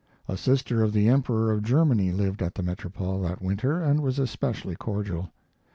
A sister of the Emperor of Germany lived at the Metropole that winter and was especially cordial.